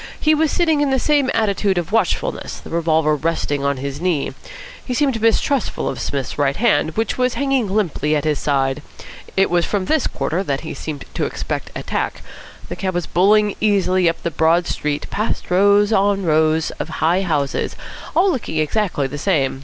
He was sitting in the same attitude of watchfulness, the revolver resting on his knee. He seemed mistrustful of Psmith's right hand, which was hanging limply at his side. It was from this quarter that he seemed to expect attack. The cab was bowling easily up the broad street, past rows on rows of high houses, all looking exactly the same.